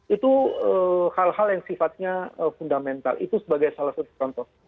itu hal hal yang sifatnya fundamental itu sebagai salah satu contoh